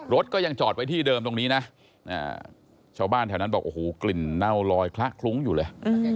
รถก็ยังจอดไว้ที่เดิมตรงนี้นะชาวบ้านแถวนั้นบอกโอ้โหกลิ่นเน่าลอยคละคลุ้งอยู่เลย